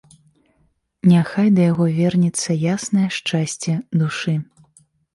Няхай да яго вернецца яснае шчасце душы.